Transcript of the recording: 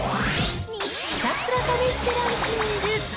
ひたすら試してランキング。